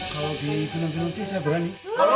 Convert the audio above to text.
kalau di film film sih saya berani